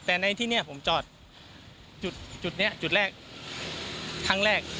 แต่ในที่นี้ผมจอดจุดนี้จุดแรกครั้งแรก